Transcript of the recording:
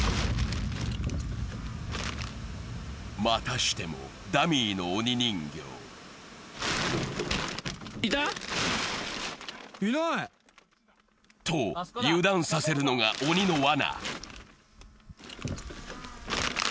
またしても、ダミーの鬼人形。と油断させるのが鬼の罠。